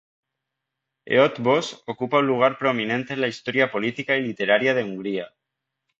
Eötvös ocupa un lugar prominente en la historia política y literaria de Hungría.